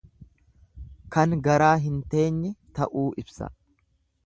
Kan garaa hin geenye ta'uu ibsa.